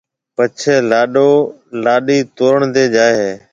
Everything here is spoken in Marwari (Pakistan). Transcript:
پڇيَ لاڏو لاڏِي تورڻ تيَ جائيَ ھيََََ